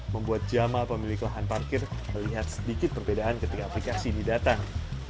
membuat jamal pemilik lahan parkir melihat sedikit perbedaan ketika aplikasi ini datang